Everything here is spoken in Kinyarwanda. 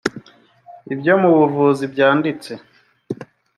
ibyo mu buvuzi byanditse